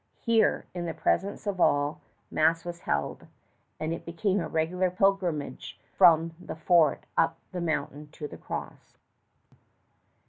Here, in the presence of all, mass was held, and it became a regular pilgrimage from the fort up the mountain to the cross.